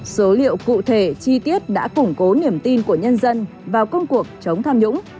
số liệu cụ thể chi tiết đã củng cố niềm tin của nhân dân vào công cuộc chống tham nhũng